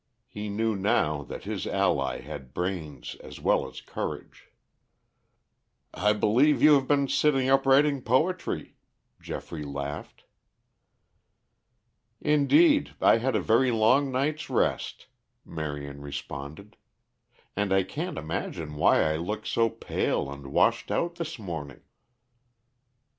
He knew now that his ally had brains as well as courage. "I believe you have been sitting up writing poetry," Geoffrey laughed. "Indeed, I had a very long night's rest," Marion responded. "And I can't imagine why I look so pale and washed out this morning!"